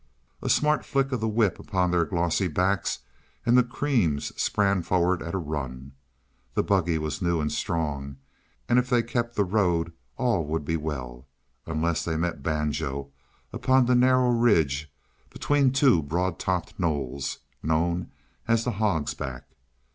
A smart flick of the whip upon their glossy backs, and the creams sprang forward at a run. The buggy was new and strong, and if they kept the road all would be well unless they met Banjo upon the narrow ridge between two broad topped knolls, known as the Hog's Back.